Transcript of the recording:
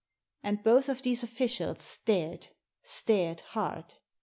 And both of these officials stared — stared hard!